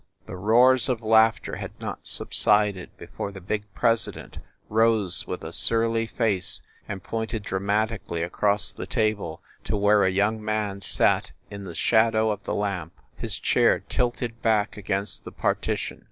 The roars of laughter had not subsided before the big president rose with a surly face and pointed dramatically across the table to where a young man sat in the shadow of the lamp, his chair tilted back against the partition.